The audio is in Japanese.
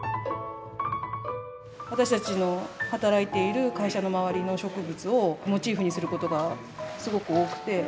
私たちの働いている会社の周りの植物をモチーフにすることがすごく多くて。